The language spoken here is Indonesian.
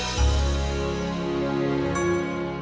jangan lupa like subscribe dan share ya